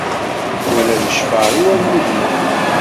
Wala lecfar-iw ad nnudmen.